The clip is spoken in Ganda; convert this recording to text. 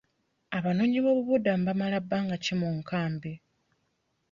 Abanoonyi b'obubudamu bamala bbanga ki mu nkambi ?